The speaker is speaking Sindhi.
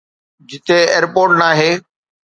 جتي ايئرپورٽ ناهي